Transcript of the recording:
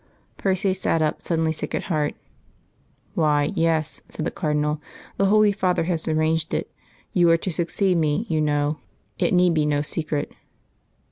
Percy sat up, suddenly, sick at heart. "Why, yes," said the Cardinal. "The Holy Father has arranged it. You are to succeed me, you know. It need be no secret."